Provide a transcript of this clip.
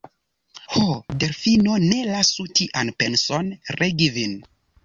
Ho, Delfino, ne lasu tian penson regi vin!